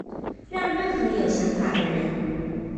讓任何有想法的人